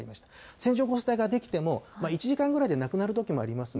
線状降水帯が出来ても、１時間くらいでなくなることもありますの